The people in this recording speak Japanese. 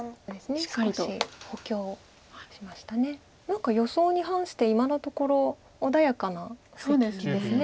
何か予想に反して今のところ穏やかな布石です。